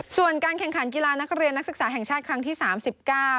ส่วนการแข่งขันกีฬานักเรียนนักศึกษาแห่งชาติครั้งที่สามสิบเก้า